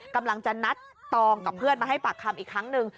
กำลังจะนัดตองกับเพื่อนมาให้ปากคำอีกครั้งหนึ่ง